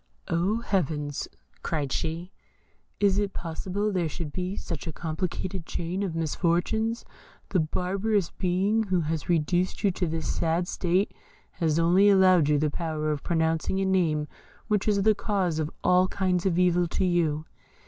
"Oh, Heavens!" cried she, "is it possible there should be such a complicated chain of misfortunes. The barbarous being who has reduced you to this sad state has only allowed you the power of pronouncing a name which is the cause of all kinds of evil to you.